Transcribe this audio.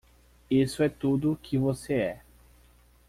Isso é tudo que você é.